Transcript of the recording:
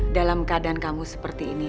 dalam keadaan kamu seperti ini